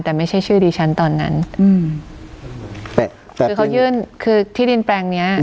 แต่ไม่ใช่ชื่อดิฉันตอนนั้นอืมคือเขายื่นคือที่ดินแปลงเนี้ย